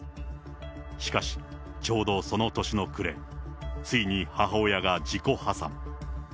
しかし、ちょうどその年の暮れ、ついに母親が自己破産。